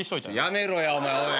やめろやお前おい。